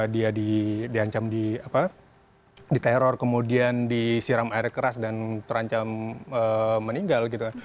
dia di ancam di apa di teror kemudian disiram air keras dan terancam meninggal gitu